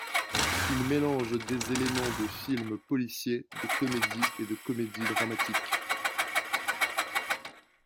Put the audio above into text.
Il mélange des éléments de film policier, de comédie, et de comédie dramatique.